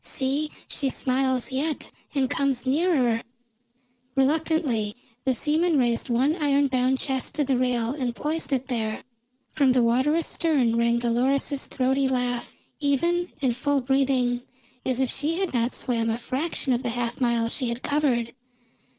See, she smiles yet, and comes nearer." Reluctantly the seamen raised one iron bound chest to the rail and poised it there. From the water astern rang Dolores's throaty laugh, even and full breathing, as if she had not swam a fraction of the half mile she had covered.